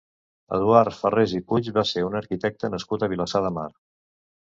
Eduard Ferrés i Puig va ser un arquitecte nascut a Vilassar de Mar.